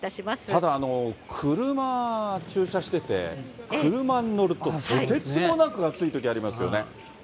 ただあの、車駐車してて、車に乗ると、とてつもなく暑いときありますよね。